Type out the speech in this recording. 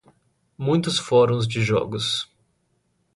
Muitos fóruns de jogos